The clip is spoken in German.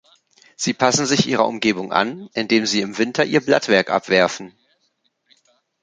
Sie passen sich ihrer Umgebung an, indem sie im Winter ihr Blattwerk abwerfen.